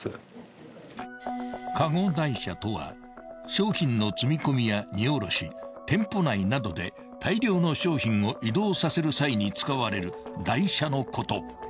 ［商品の積み込みや荷下ろし店舗内などで大量の商品を移動させる際に使われる台車のこと］